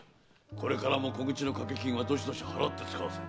これからも小口の掛け金はどしどし払ってつかわせ。